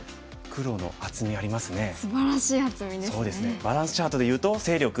バランスチャートで言うと勢力？